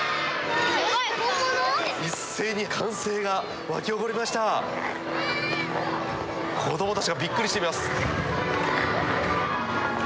一斉に歓声がわき起こりました子どもたちがビックリしています